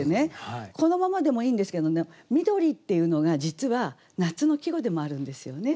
このままでもいいんですけどね「緑」っていうのが実は夏の季語でもあるんですよね。